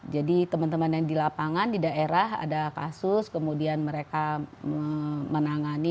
jadi teman teman yang di lapangan di daerah ada kasus kemudian mereka menangani